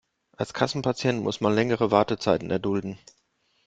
Als Kassenpatient muss man längere Wartezeiten erdulden.